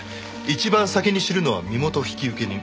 一番先に知るのは身元引受人。